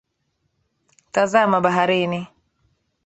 Tazama baharini.